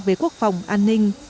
với quốc phòng an ninh